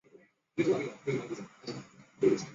参见右侧站牌路线图。